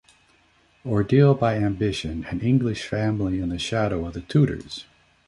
"Ordeal by Ambition: An English Family in the Shadow of the Tudors".